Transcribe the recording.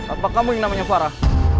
apa kamu yang namanya farah